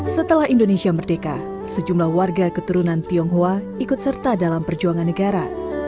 setelah indonesia merdeka sejumlah warga keturunan tionghoa ikut serta dalam perjuangan negara